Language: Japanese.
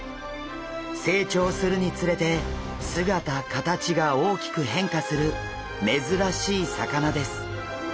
成長するにつれて姿形が大きく変化する珍しい魚です。